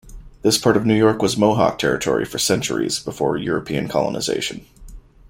This part of New York was Mohawk territory for centuries before European colonization.